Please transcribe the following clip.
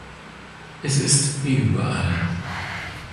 Es ist wie überall.